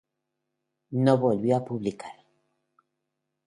No volvió a publicar.